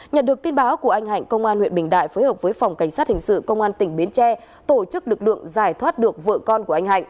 nhận được tin báo của anh hạnh công an huyện bình đại phối hợp với phòng cảnh sát hình sự công an tỉnh bến tre tổ chức lực lượng giải thoát được vợ con của anh hạnh